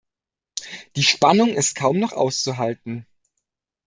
Die Spannung ist kaum noch auszuhalten.